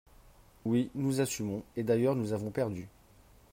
Oui, nous assumons – et d’ailleurs nous avons perdu